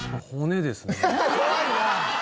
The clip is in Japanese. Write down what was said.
怖いな！